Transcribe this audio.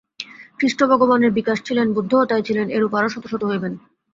খ্রীষ্ট ভগবানের বিকাশ ছিলেন, বুদ্ধও তাই ছিলেন, এরূপ আরও শত শত হইবেন।